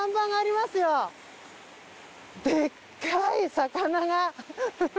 でっかい「魚」が。